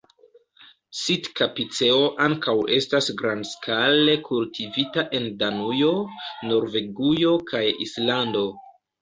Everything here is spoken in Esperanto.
Sitka-piceo ankaŭ estas grandskale kultivita en Danujo, Norvegujo kaj Islando.